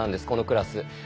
このクラス。